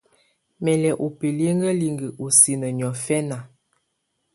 Mɛ́ lɛ́ ù bilikǝ́likǝ́ ɔ́ sinǝ niɔ̀fɛna.